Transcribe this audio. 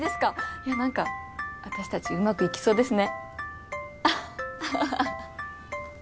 いやなんか私たちうまくいきそうですね。